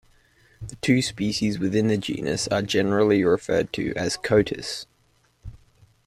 The two species within the genus are generally referred to as coatis.